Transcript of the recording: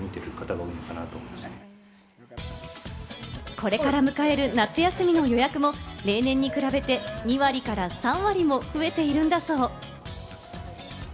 これから迎える夏休みの予約も例年に比べて２割から３割も増えているんだそう。